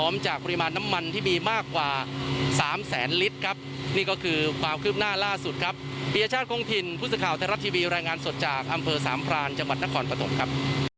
มีรายงานสดจากอำเภอสามพรานจังหวัดนครปฎมครับ